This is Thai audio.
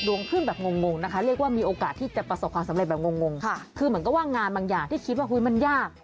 ขึ้นแบบงงนะคะเรียกว่ามีโอกาสที่จะประสบความสำเร็จแบบงงคือเหมือนกับว่างานบางอย่างที่คิดว่ามันยาก